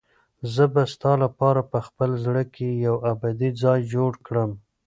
زه به ستا لپاره په خپل زړه کې یو ابدي ځای جوړ کړم.